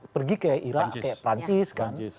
pergi ke irak ke prancis kan